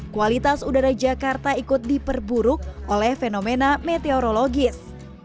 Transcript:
kualitas udara jakarta ikut diperburuk oleh fenomena meteorologis